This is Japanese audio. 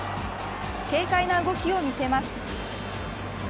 軽快な動きを見せます。